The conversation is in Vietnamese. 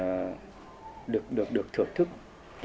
cái món ăn đó nó giúp cho những người